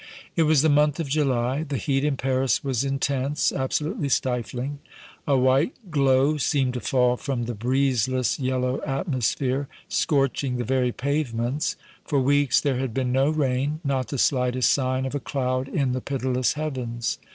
It was the month of July. The heat in Paris was intense, absolutely stifling; a white glow seemed to fall from the breezeless, yellow atmosphere, scorching the very pavements; for weeks there had been no rain, not the slightest sign of a cloud in the pitiless heavens.